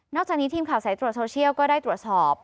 จากนี้ทีมข่าวสายตรวจโซเชียลก็ได้ตรวจสอบ